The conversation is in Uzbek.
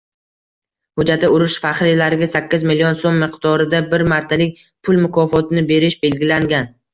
Hujjatda urush faxriylariga sakkiz million soʻm miqdorida bir martalik pul mukofotini berish belgilangan.